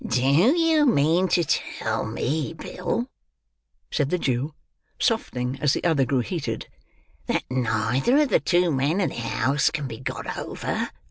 "Do you mean to tell me, Bill," said the Jew: softening as the other grew heated: "that neither of the two men in the house can be got over?"